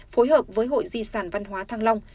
phối hợp với hội di sản văn hóa thăng long